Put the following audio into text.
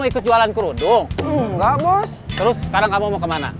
terus sekarang kamu mau kemana